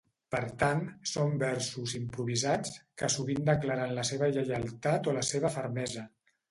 Per tant, són versos improvisats, que sovint declaren la seva lleialtat o la seva fermesa.